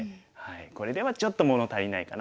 これではちょっと物足りないかな。